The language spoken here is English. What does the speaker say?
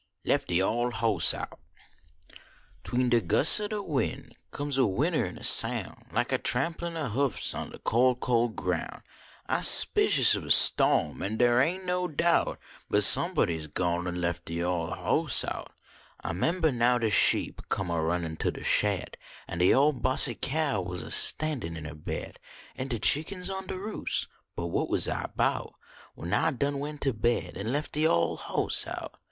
LhF Ub OLh HObsS OUT Tween de gusts ob de win Conies a winner an a soun Like de tranipin ob hoofs on decol , col groun . Ise spicious ob a stauni. An dere ain t no doubt But somebody s gone an lef de ole hoss out. I membah now de sheep Come a runnin to de shed, An de ole bossie cow was a standin ! in er bed, An de chickens on de roos ; But what was I bout When I done went to bed an lef de ole hoss out?